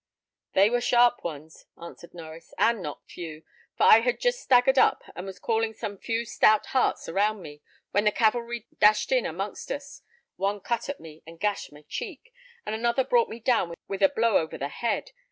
"They were sharp ones," answered Norries, "and not few; for I had just staggered up, and was calling some few stout hearts around me, when the cavalry dashed in amongst us. One cut at me, and gashed my cheek, and another brought me down with a blow over the head.